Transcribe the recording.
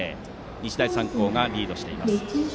日大三高がリードしています。